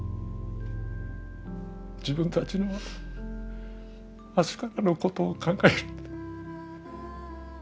自分たちの明日からのことを考えると。